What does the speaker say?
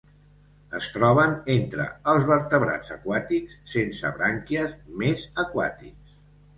Es troben entre els vertebrats aquàtics sense brànquies més aquàtics.